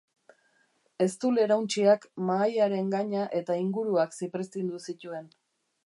Eztul-erauntsiak mahaiaren gaina eta inguruak zipriztindu zituen.